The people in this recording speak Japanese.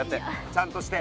ちゃんとして。